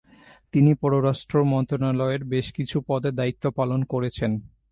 তিনি পররাষ্ট্র মন্ত্রণালয়ের বেশ কিছু পদে দায়িত্ব পালন করেছেন।